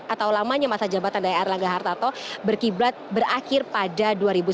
atau lamanya masa jabatan dari erlangga hartarto berakhir pada dua ribu sembilan belas